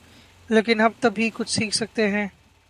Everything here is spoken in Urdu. لیکن ہم تب ہی کچھ سیکھ سکتے ہیں۔